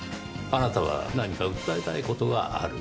あなたは何か訴えたいことがある。